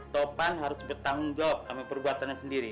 topan harus bertanggung jawab sama perbuatannya sendiri